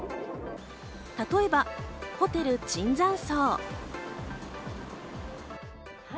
例えばホテル椿山荘。